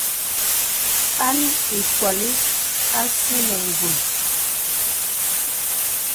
Pan ì mpkōlī a sì nə ngùl.